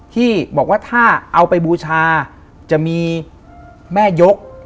ที่บอกว่าถ้าเอาไปบูชาจะมีแม่ยก